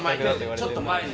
ちょっと前に。